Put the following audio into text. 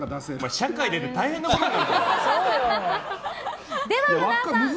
社会に出て大変なことになるぞ。